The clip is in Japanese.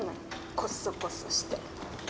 コソコソして。